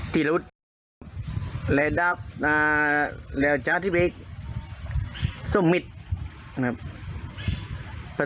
ที่ละวุธและดาบอ่าแล้วจะที่เป็นสมมิตรนะครับ